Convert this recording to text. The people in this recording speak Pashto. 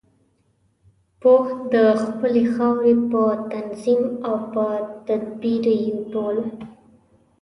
پوه د خپلې خاورې په تنظیم او په تدبیر یو ټول.